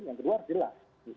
yang kedua harus jelas